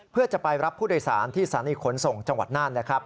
เพื่อจะไปรับผู้โดยสารที่สานิขนส่งจังหวัดนั่น